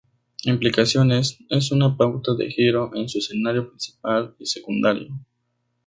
Implicaciones: Es una pauta de giro en su escenario principal y secundario.